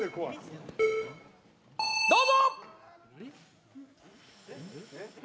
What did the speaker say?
どうぞ！